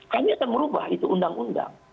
kami akan merubah itu undang undang